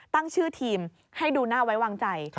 ตั้งชื่อทีมให้ดูน่าไว้วางใจ